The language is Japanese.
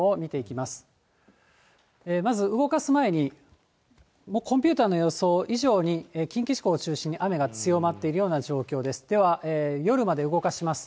まず動かす前に、もうコンピューターの予想以上に近畿地方を中心に雨が強まっているような状況です。